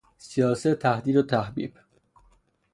سیاست تهدید و تحبیب